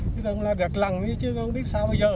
chứ không là gạt lằn chứ không biết sao bây giờ